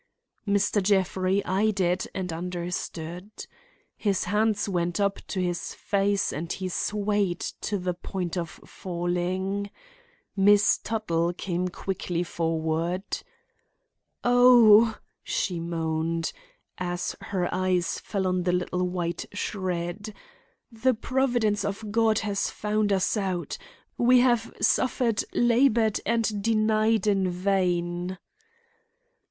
Mr. Jeffrey eyed it and understood. His hands went up to his face and he swayed to the point of falling. Miss Tuttle came quickly forward. "Oh!" she moaned, as her eyes fell on the little white shred. "The providence of God has found us out. We have suffered, labored and denied in vain."